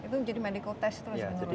itu menjadi medical test terus menurutnya